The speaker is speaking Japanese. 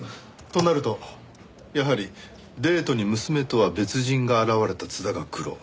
となるとやはりデートに娘とは別人が現れた津田がクロ。